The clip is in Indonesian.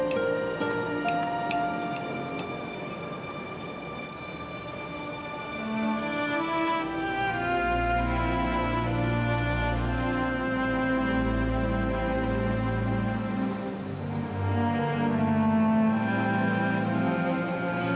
terima kasih pak